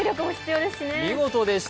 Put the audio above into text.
見事でした。